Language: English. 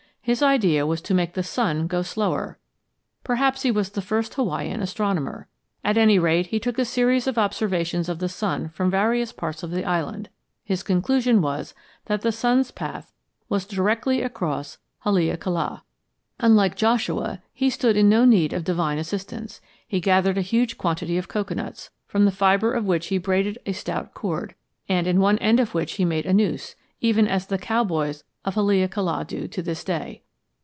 His idea was to make the sun go slower. Perhaps he was the first Hawaiian astronomer. At any rate, he took a series of observations of the sun from various parts of the island. His conclusion was that the sun's path was directly across Haleakala. Unlike Joshua, he stood in no need of divine assistance. He gathered a huge quantity of cocoanuts, from the fibre of which he braided a stout cord, and in one end of which he made a noose, even as the cowboys of Haleakala do to this day.